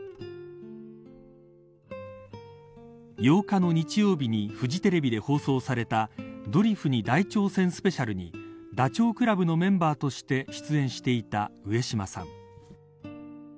８日の日曜日にフジテレビで放送されたドリフに大挑戦スペシャルにダチョウ倶楽部のメンバーとして出演していた上島さん。